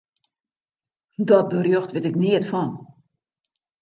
Dat berjocht wit ik neat fan.